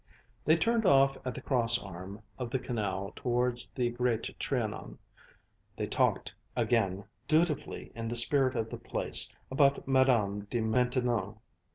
They turned off at the cross arm of the Canal towards the Great Trianon; they talked, again dutifully in the spirit of the place, about Madame de Maintenon.